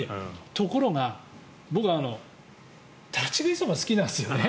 ところが僕、立ち食いそばが好きなんですよね。